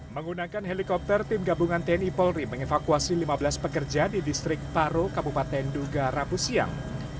menggunakan helikopter tim gabungan tni polri mengevakuasi lima belas pekerja di distrik paro kabupaten duga rabu siang